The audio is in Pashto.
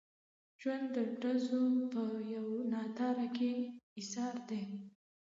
ژوند د ډزو په یو ناتار کې ایسار دی.